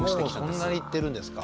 もうそんなに行ってるんですか。